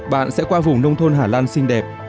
bạn sẽ qua vùng nông thôn hà lan xinh đẹp